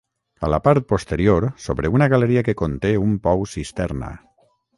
A la part posterior sobre una galeria que conté un pou-cisterna.